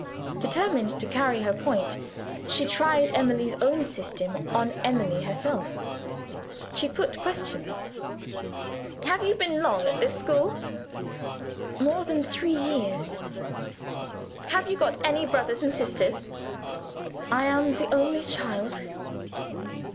Determined to carry her point she tried Emily's own system on Emily herself she put questions. "Have you been long at this school?" "More than three years." "Have you got any brothers and sisters?" "I am the only child."